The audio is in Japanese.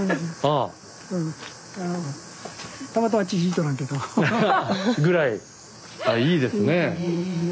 あいいですねえ。